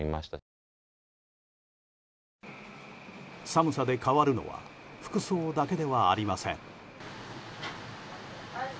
寒さで変わるのは服装だけではありません。